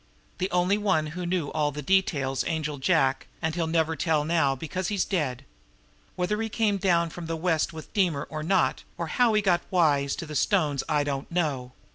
"The only one who knew all the details Angel Jack, and he'll never tell now because he's dead. Whether he came down from the West with Deemer or not, or how he got wise to the stones, I don't know.